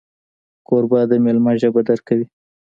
کوربه د میلمه ژبه درک کوي.